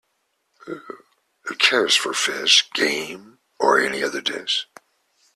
Who cares for fish, game, or any other dish?